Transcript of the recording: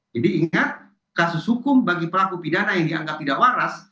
jadi ingat kasus hukum bagi pelaku pidana yang dianggap tidak waras